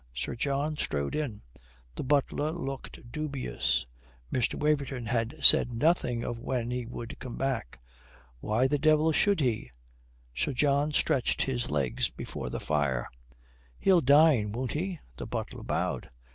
Sir John strode in. The butler looked dubious. Mr. Waverton had said nothing of when he would come back. "Why the devil should he?" Sir John stretched his legs before the fire. "He'll dine, won't he?" The butler bowed.